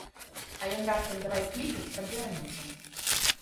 А ён раптам давай клікаць, каб вярнуўся.